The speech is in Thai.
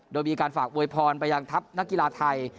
โดยมีการฝากโวยพรไปยังทัพนักกีฬาไทย